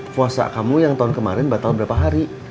puasa kamu yang tahun kemarin batal berapa hari